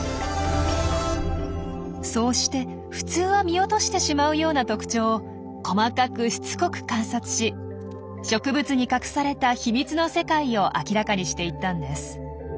そうして普通は見落としてしまうような特徴を細かくしつこく観察し植物に隠された秘密の世界を明らかにしていったんです。